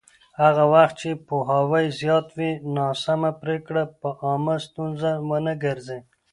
هغه وخت چې پوهاوی زیات وي، ناسمه پرېکړه به عامه ستونزه ونه ګرځي.